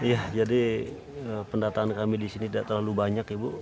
iya jadi pendataan kami disini tidak terlalu banyak ya ibu